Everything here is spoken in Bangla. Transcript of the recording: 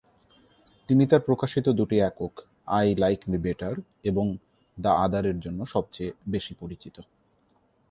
তিনি তার প্রকাশিত দুটি একক "আই লাইক মি বেটার", এবং "দ্য আদার"-এর জন্য সবচেয়ে বেশি পরিচিত।